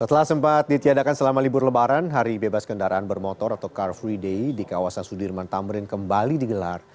setelah sempat ditiadakan selama libur lebaran hari bebas kendaraan bermotor atau car free day di kawasan sudirman tamrin kembali digelar